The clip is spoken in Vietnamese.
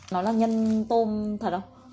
nó là nhân tôm thật không